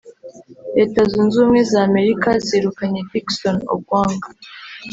Leta zunze ubumwe z’Amerika zirukanye Dickson Ogwang